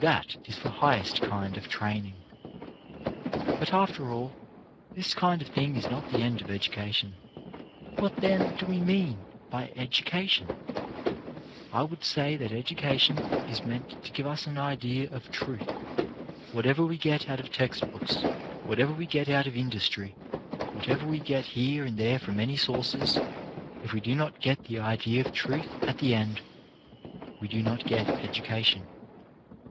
That is the highest kind of training. But, after all, this kind of thing is not the end of education. What, then, do we mean by educa tion ? I would say that education is meant to give us an idea of truth. Whatever we get out of text books, whatever we get out of industry, whatever we get here and there from any sources, if we do not get the idea of truth at the end, we do not get education.